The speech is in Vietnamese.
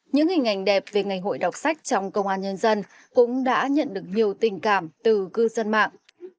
những hình ảnh đẹp về ngày hội đọc sách trong công an nhân dân cũng đã nhận được nhiều tình cảm từ cư dân mạng